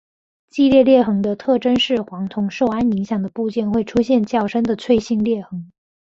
季裂裂痕的特征是黄铜受氨影响的部件会出现较深的脆性裂痕。